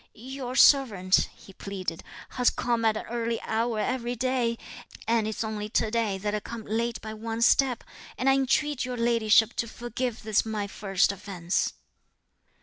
"Your servant," he pleaded, "has come at an early hour every day; and it's only to day that I come late by one step; and I entreat your ladyship to forgive this my first offence."